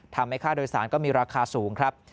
ทำให้ค่าโดยสารก็มีราคาสูงครับ